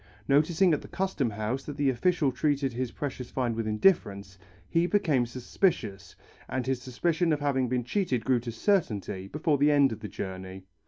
Noticing at the Custom House that the official treated his precious find with indifference, he became suspicious, and his suspicion of having been cheated grew to certainty before the end of the journey.